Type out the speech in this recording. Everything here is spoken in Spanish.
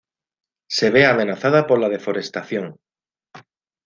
Se ve amenazada por la deforestación.